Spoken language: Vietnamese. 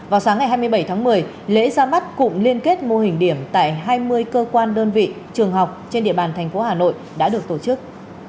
vào sáng ngày hai mươi bảy tháng một mươi lễ ra mắt cụm liên kết mô hình điểm tại hai mươi cơ quan đơn vị trường học trên địa bàn thành phố hà nội đã được tổ chức